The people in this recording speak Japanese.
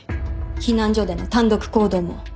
避難所での単独行動も。